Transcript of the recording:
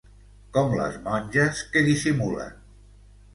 Com les monges que dissimulen.